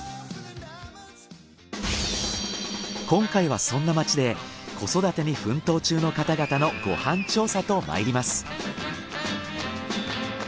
今回はそんな街で子育てに奮闘中の方々のご飯調査とまいります。